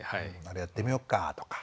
「あれやってみよっか」とか。